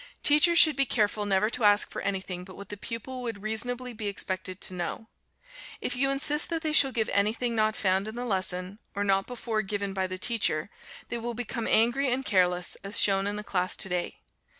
Teachers should be careful never to ask for anything but what the pupil would reasonably be expected to know. If you insist that they shall give anything not found in the lesson, or not before given by the teacher, they will become angry and careless, as shown in the class to day.